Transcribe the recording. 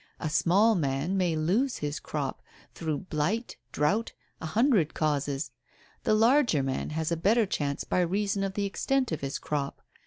A small man may lose his crop through blight, drought, a hundred causes. The larger man has a better chance by reason of the extent of his crop.